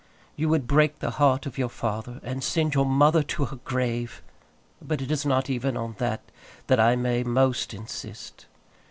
You would break the heart of your father, and send your mother to her grave; but it is not even on that that I may most insist.